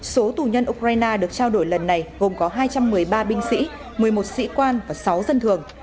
số tù nhân ukraine được trao đổi lần này gồm có hai trăm một mươi ba binh sĩ một mươi một sĩ quan và sáu dân thường